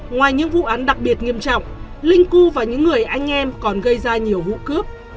ngoài những vụ án đặc biệt nghiêm trọng linh cư và những người anh em còn gây ra nhiều vụ cướp